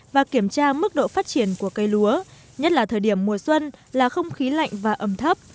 và kiểm tra mức độ phát triển của cây lúa nhất là thời điểm mùa xuân là không khí lạnh và ẩm thấp